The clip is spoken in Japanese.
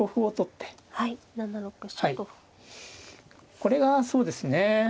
これがそうですね。